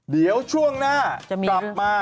เดี๋ยวช่วงหน้ากลับมา